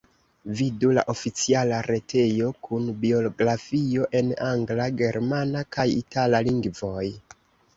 Vidu la oficiala retejo kun biografio en angla, germana kaj itala lingvoj.